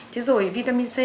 chứ rồi vitamin c